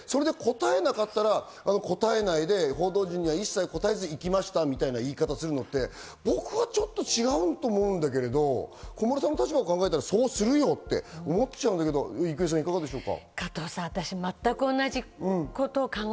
答えなかったら答えないで、報道陣には応えてないみたいな言い方するのっても僕はちょっと違うと思うんだけど、小室さんの立場を考えたらそうするよと思っちゃうけど、郁恵さん、どうですか？